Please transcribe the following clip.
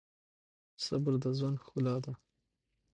صبر د ژوند ښکلا ده.